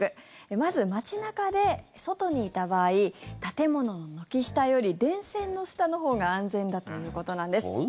まず街中で外にいた場合建物の軒下より電線の下のほうが安全だということなんです。